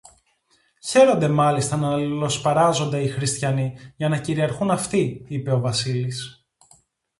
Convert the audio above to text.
Χαίρονται μάλιστα ν' αλληλοσπαράζονται οι Χριστιανοί, για να κυριαρχούν αυτοί, είπε ο Βασίλης